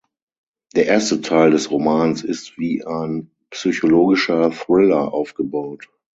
Der erste Teil des Romans ist wie ein psychologischer Thriller aufgebaut.